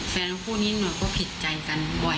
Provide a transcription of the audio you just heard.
แฟนของผู้นี้มันก็ผิดใจกันบ่อย